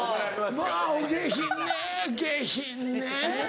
まぁお下品ね下品ね。